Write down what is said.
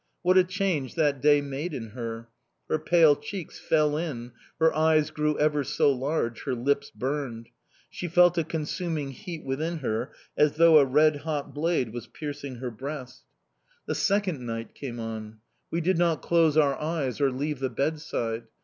What a change that day made in her! Her pale cheeks fell in, her eyes grew ever so large, her lips burned. She felt a consuming heat within her, as though a red hot blade was piercing her breast. "The second night came on. We did not close our eyes or leave the bedside.